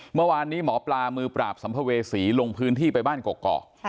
เมื่อวานนี้หมอปลามือปราบสัมภเวษีลงพื้นที่ไปบ้านกอก